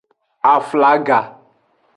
Aflaga.